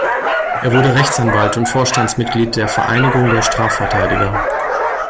Er wurde Rechtsanwalt und Vorstandsmitglied der "Vereinigung der Strafverteidiger".